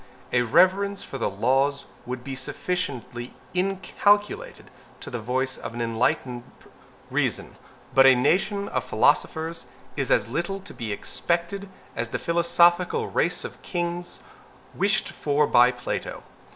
A reverence for the laws would be sufficiently inculcated by the voice of an enlightened reason. But a nation of philosophers is as little to be expected as the philosophical race of kings wished for by Plato.